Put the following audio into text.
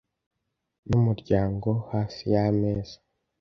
numuryango hafi yameza